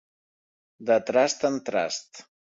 De trast en trast.